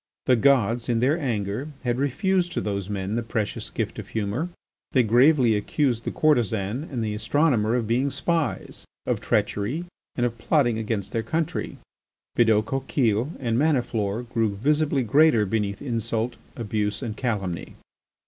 The gods, in their anger, had refused to those men the precious gift of humour. They gravely accused the courtesan and the astronomer of being spies, of treachery, and of plotting against their country. Bidault Coquille and Maniflore grew visibly greater beneath insult, abuse, and calumny.